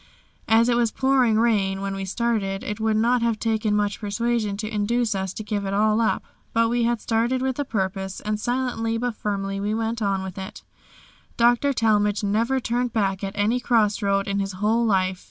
As it was pouring rain when we started, it would not have taken much persuasion to induce us to give it all up. But we had started with a purpose, and silently but firmly we went on with it. Dr. Talmage never turned back at any cross road in his whole life.